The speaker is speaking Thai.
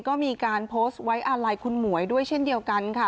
ก็มีการโพสต์ไว้อาลัยคุณหมวยด้วยเช่นเดียวกันค่ะ